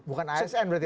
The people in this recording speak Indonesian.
bukan asn berarti pak